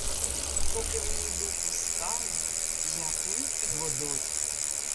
Поки мені духу стало, я плив під водою.